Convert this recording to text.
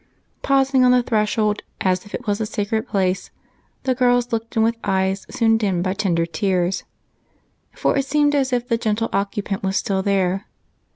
Pausing on the threshold as if it was a sacred place, the girls looked in with eyes soon dimmed by tender tears, for it seemed as if the gentle occupant was still there.